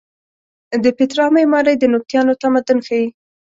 د پیترا معمارۍ د نبطیانو تمدن ښیې.